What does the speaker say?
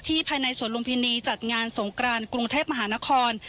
ภายในสวนลุมพินีจัดงานสงกรานกรุงเทพมหานคร